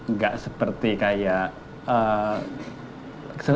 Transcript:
nggak seperti kayak